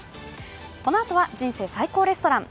このあとは「人生最高レストラン」。